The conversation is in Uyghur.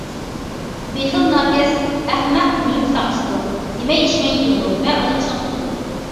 بېخىل- ناكەس، ئەخمەق، مۈلۈك ساقچىسىدۇر، يېمەي- ئىچمەي يىغىدۇ ۋە ئۇنى چىڭ تۇتىدۇ.